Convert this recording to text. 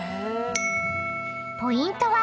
［ポイントは］